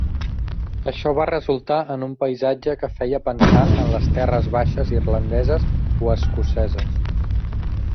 Això va resultar en un paisatge que feia pensar en les terres baixes irlandeses o escoceses.